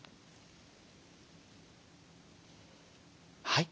はい。